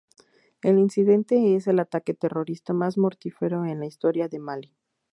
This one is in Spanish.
El incidente es el ataque terrorista más mortífero en la historia de Malí.